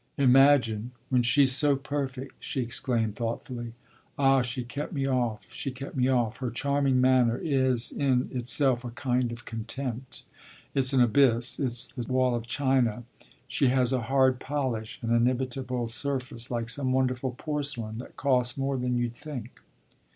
"Imagine when she's so perfect!" she exclaimed thoughtfully. "Ah she kept me off she kept me off! Her charming manner is in itself a kind of contempt. It's an abyss it's the wall of China. She has a hard polish, an inimitable surface, like some wonderful porcelain that costs more than you'd think."